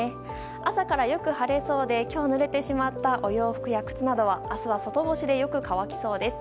朝からよく晴れそうで今日ぬれてしまったお洋服や靴は明日は外干しでよく乾きそうです。